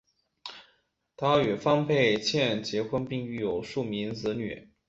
他与方佩倩结婚并育有数名子女。